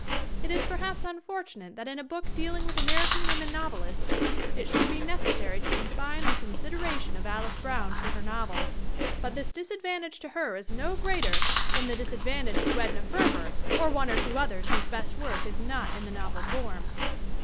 It is perhaps unfortunate that in a book dealing with American women novelists it should be necessary to confine the consideration of Alice Brown to her novels ; i 4 THE WOMEN WHO MAKE OUR NOVELS but this disadvantage to her is no greater than the disadvantage to Edna Ferber or one or two others whose best work is not in the novel form.